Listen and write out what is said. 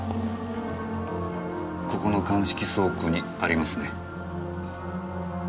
ここの鑑識倉庫にありますね。